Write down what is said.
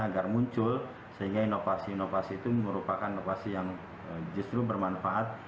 agar muncul sehingga inovasi inovasi itu merupakan inovasi yang justru bermanfaat